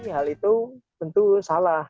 hal itu tentu salah